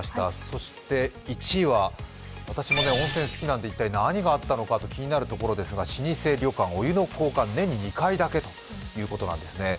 そして１位は私も温泉好きなんで一体何があったのかと気になるところですが老舗旅館、お湯の交換、年に２回だけということなんですね。